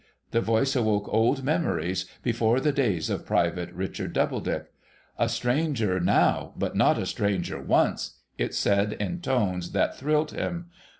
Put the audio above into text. The voice awoke old memories, before the days of Private Richard Doubledick. ' A stranger now, but not a stranger once,' it said in tones that thrilled him.